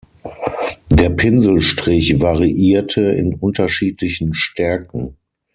Der Pinselstrich variierte in unterschiedlichen Stärken.